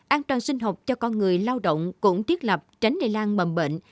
an toàn sinh học cho con người lao động cũng thiết lập tránh lây lan mầm bệnh